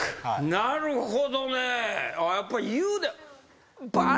なるほどね。